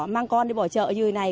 mang con đi bỏ chợ như thế này